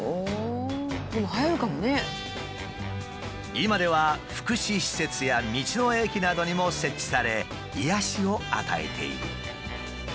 今では福祉施設や道の駅などにも設置され癒やしを与えている。